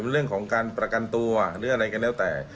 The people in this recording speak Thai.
เรื่องของการประกันตัวหรืออะไรก็แล้วแต่